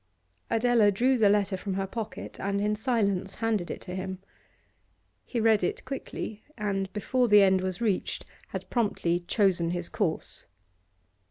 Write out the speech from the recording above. Adela drew the letter from her pocket and in silence handed it to him. He read it quickly, and, before the end was reached, had promptly chosen his course.